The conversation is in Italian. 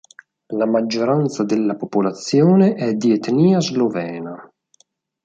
La maggioranza della popolazione è di etnia slovena.